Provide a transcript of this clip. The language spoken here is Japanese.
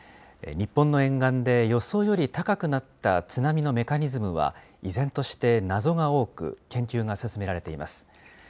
日本の沿岸で予想より高くなった津波のメカニズムは、依然として謎が多く、研究が進められています。